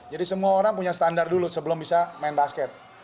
jadi semua orang punya standar dulu sebelum bisa main basket